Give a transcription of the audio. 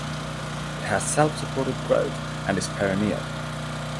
It has self supporting growth and is perennial.